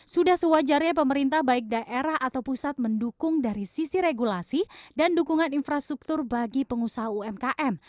sudah sewajarnya pemerintah baik daerah atau pusat mendukung dari sisi regulasi dan dukungan infrastruktur bagi pengusaha umkm